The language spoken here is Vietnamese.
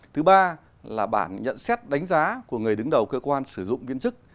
thứ ba là bảng nhận xét đánh giá của người đứng đầu cơ quan sử dụng viên chức